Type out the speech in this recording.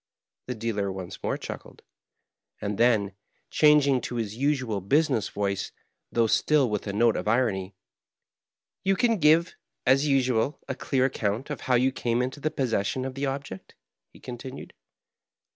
The dealer once more chuckled; and then, changing to his nsual business voice, though still with a note of irony, " You can give, as nsual, a clear account of how you came into the possession of the object?" he con tinued.